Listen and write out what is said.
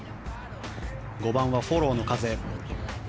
５番はフォローの風。